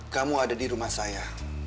kamu ada di rumah saya